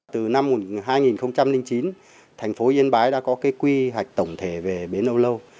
từ năm hai nghìn chín thành phố yên bái đã có cái quy hoạch tổng thể về bến âu lâu